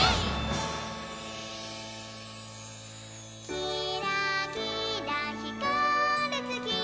「きらきらひかるつき